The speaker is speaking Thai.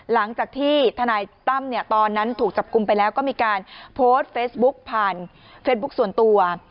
หลังจากที่ทนายตั้มเนี่ยตอนนั้นถูกจับกลุ่มไปแล้วก็มีการโพสต์เฟซบุ๊กผ่านเฟซบุ๊คส่วนตัว